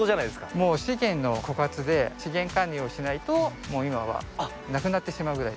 もう資源の枯渇で資源管理をしないともう今はなくなってしまうくらい。